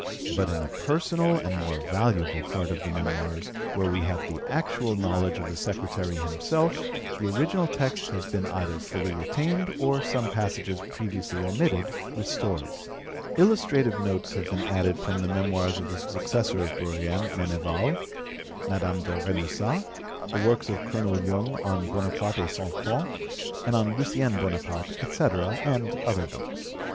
But in the personal and more valuable part of the Memoirs, where we have the actual knowledge of the secretary himself, the original text has been either fully retained, or some few passages previously omitted restored. Illustrative notes have been added from the Memoirs of the successor of Bourrienne, Meneval, Madame de Remusat, the works of Colonel Jung on 'Bonaparte et Son Temps', and on 'Lucien Bonaparte', etc., and other books.